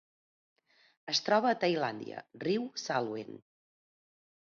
Es troba a Tailàndia: riu Salween.